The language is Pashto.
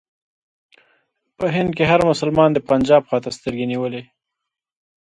په هند کې هر مسلمان د پنجاب خواته سترګې نیولې.